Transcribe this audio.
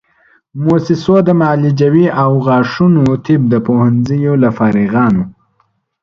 موسسو د معالجوي او غاښونو طب د پوهنځیو له فارغانو